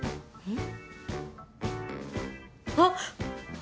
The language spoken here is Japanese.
ん？